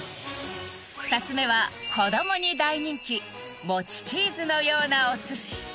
２つ目は子供に大人気餅チーズのようなお寿司